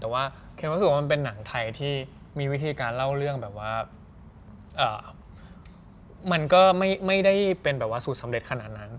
แต่ว่าเคนรู้สึกว่ามันเป็นหนังไทยที่มีวิธีการเล่าเรื่องแบบว่ามันก็ไม่ได้เป็นแบบว่าสูตรสำเร็จขนาดนั้น